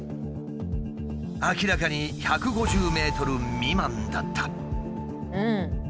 明らかに１５０ｍ未満だった。